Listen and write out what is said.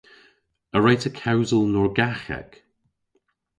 A wre'ta kewsel Norgaghek?